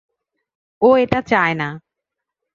ও এটা চায় না।